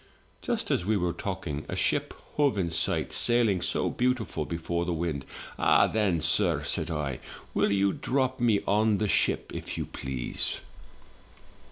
"Just as we were talking a ship hove in sight, .sailing so beauti ful before the wind. 'Ah, then, sir,' said I, 'will you drop me on the ship, if you please?'